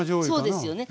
そうですよね。